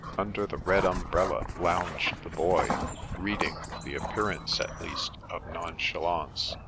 Under the red umbrella lounged the Boy, reading with the appearance, at least, of nonchalance.